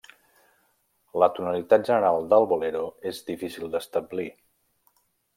La tonalitat general del Bolero és difícil d'establir.